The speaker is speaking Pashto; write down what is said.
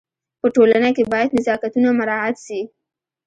په ټولنه کي باید نزاکتونه مراعت سي.